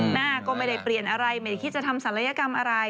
หน้าก็ไม่ได้เปลี่ยนอะไรไม่ได้คิดจะทำศัลยกรรมอะไร